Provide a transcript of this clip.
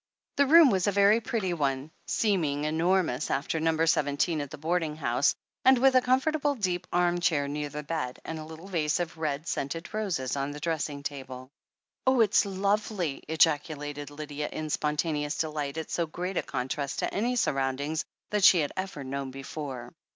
The room was a very pretty one, seeming enormous after Number Seventeen at the boarding house, and ^y2 THE HEEL OF ACHILLES with a comfortable deep arm chair near the bed, and a little vase of red, scented roses on the dressing table. "Oh, it's lovely!" ejaculated Lydia in spontaneous delight at so great a contrast to any surrotmdings that she had ever known before.